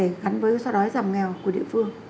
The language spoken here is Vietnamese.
gắn với so đói giảm nghèo của địa phương